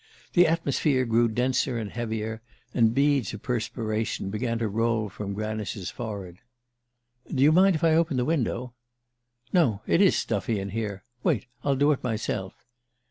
The atmosphere grew denser and heavier, and beads of perspiration began to roll from Granice's forehead. "Do you mind if I open the window?" "No. It is stuffy in here. Wait I'll do it myself."